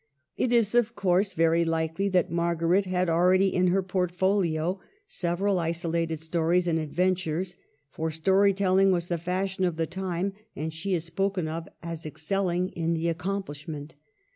It is, of course, very likely that Margaret had already in her portfolio several isolated stories and ad ventures ; for story telling was the fashion of the time, and she is spoken of as excelling in the THE '' heptameron:\ 207 accomplishment.